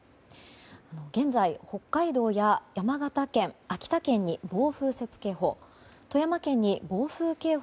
現在、北海道や山形県、秋田県に暴風雪警報。